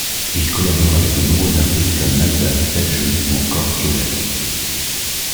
Il collabore avec de nombreux artistes comme Naza, Dadju ou encore Keblack.